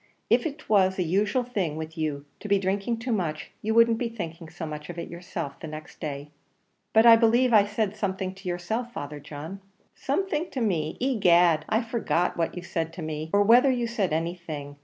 If it was a usual thing with you to be drinking too much, you wouldn't be thinking so much of it yourself the next day." "But I believe I said something to yourself, Father John." "Something to me! Egad, I forget what you said to me, or whether you said anything.